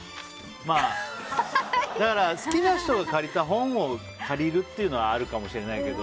だから好きな人の借りた本を借りるっていうのはあるかもしれないけど